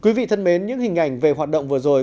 quý vị thân mến những hình ảnh về hoạt động vừa rồi